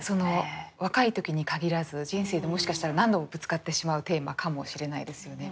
若い時に限らず人生でもしかしたら何度もぶつかってしまうテーマかもしれないですよね。